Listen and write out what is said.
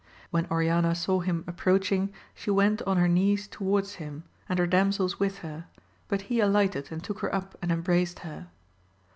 When Oriana saw him approaching she went on her knees towards him, and her damsels with her, but he alighted and took her up and embraced her.